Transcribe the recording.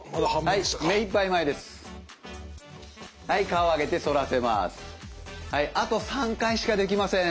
はいあと３回しかできません